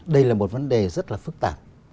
đây là một vấn đề rất là phức tạp